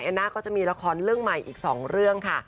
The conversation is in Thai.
น่าก็จะมีละครเรื่องใหม่อีก๒เรื่องค่ะ